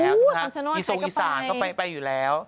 คำชะโน่ใครก็ไปอีสงอีสานก็ไปอยู่แล้ว